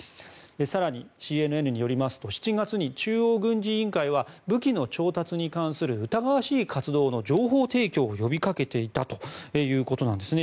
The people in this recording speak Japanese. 更に、ＣＮＮによりますと７月に中央軍事委員会は武器の調達に関する疑わしい活動の情報提供を呼びかけていたということなんですね。